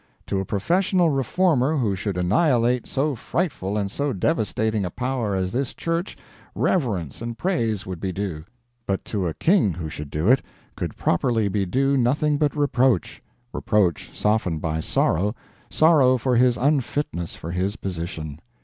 To a professional reformer who should annihilate so frightful and so devastating a power as this Church, reverence and praise would be due; but to a king who should do it, could properly be due nothing but reproach; reproach softened by sorrow; sorrow for his unfitness for his position.